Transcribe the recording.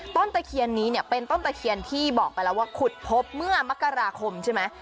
ตะเคียนนี้เนี่ยเป็นต้นตะเคียนที่บอกไปแล้วว่าขุดพบเมื่อมกราคมใช่ไหม